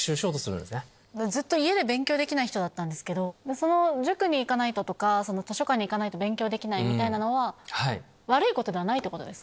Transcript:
ずっと家で勉強できない人だったんですけど塾に行かないととか図書館に行かないと勉強できないみたいなのは悪いことではないってことですか？